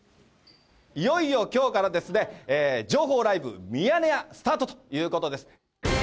いよいよきょうからですね、情報ライブミヤネ屋、スタートということです。